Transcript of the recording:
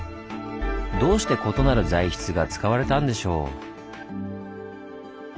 どうして異なる材質が使われたんでしょう？